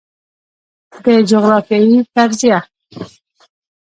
د جغرافیې فرضیه